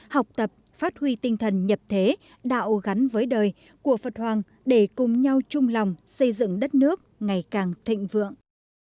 học tập phát huy tinh thần nhập thế đạo gắn với đời của phật hoàng để cùng nhau chung lòng xây dựng đất nước ngày càng thịnh vượng